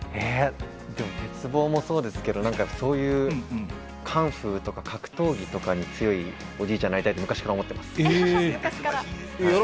鉄棒もそうですけど、カンフーとか格闘技とかに強いおじいちゃんになりたいと、昔から思ってます。